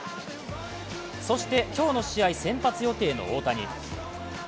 そして今日の試合、先発予定の大谷。